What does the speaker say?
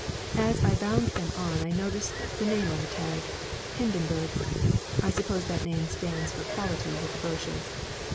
As I bound them on I noticed the name on the tag 'Hindenburg.' I suppose that name stands for quality with the Boches.